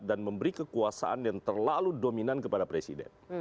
dan memberi kekuasaan yang terlalu dominan kepada presiden